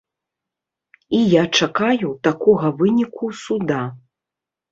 І я чакаю такога выніку суда.